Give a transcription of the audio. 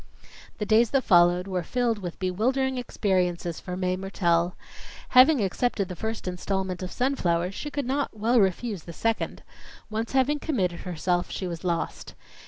The days that followed, were filled with bewildering experiences for Mae Mertelle. Having accepted the first installment of sunflowers, she could not well refuse the second. Once having committed herself, she was lost.